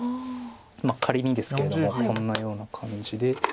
仮にですけれどもこんなような感じで。